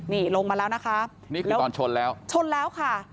นี่ลงมาแล้วนะคะนี่คือตอนชนแล้วชนแล้วค่ะ